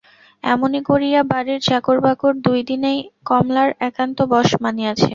এমনি করিয়া বাড়ির চাকর-বাকর দুই দিনেই কমলার একান্ত বশ মানিয়াছে।